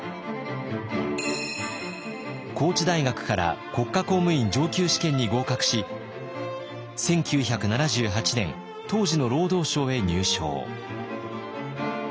高知大学から国家公務員上級試験に合格し１９７８年当時の労働省へ入省。